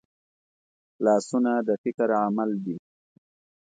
لاسونه د فکر عمل دي